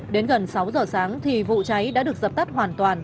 đến gần sáu giờ sáng thì vụ cháy đã được dập tắt hoàn toàn